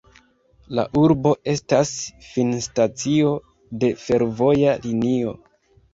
La urbo estas finstacio de fervoja linio.